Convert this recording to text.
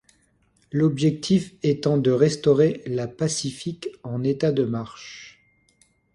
L'objectif étant de restaurer la Pacific en état de marche.